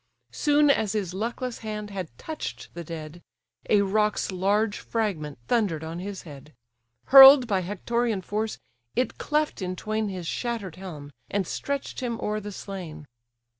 Soon as his luckless hand had touch'd the dead, A rock's large fragment thunder'd on his head; Hurl'd by Hectorean force it cleft in twain His shatter'd helm, and stretch'd him o'er the slain.